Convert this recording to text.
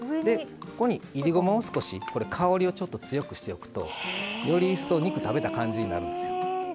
ここにいりごまを少し、香りを強くしておくと、より一層肉を食べた感じになるんです。